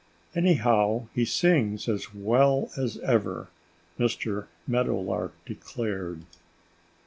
"Anyhow, he sings as well as ever," Mr. Meadowlark declared.